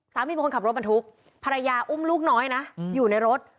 เลยค่ะ๓๐คนขับรถมันทุกพระยาอุ้มลูกน้อยนะอยู่ในรถ